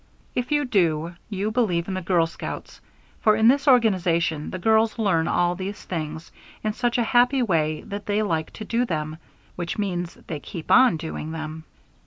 If you do, you believe in the Girl Scouts, for in this organization the girls learn all these things in such a happy way that they like to do them, which means that they keep on doing them.